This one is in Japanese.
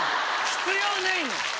必要ないの！